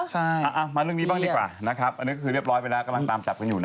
ใช่มาเรื่องนี้บ้างดีกว่านะครับอันนี้ก็คือเรียบร้อยไปแล้วกำลังตามจับกันอยู่นะ